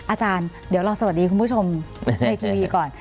อาจารย์เดี๋ยวเราสวัสดีคุณผู้ชมในทีวีก่อน